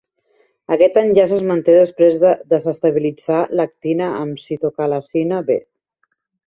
Aquest enllaç es manté després de desestabilitzar l'actina amb citocalasina B.